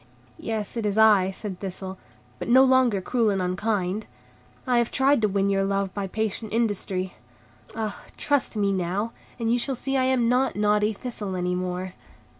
"Yes, it is I," said Thistle, "but no longer cruel and unkind. I have tried to win your love by patient industry. Ah, trust me now, and you shall see I am not naughty Thistle any more."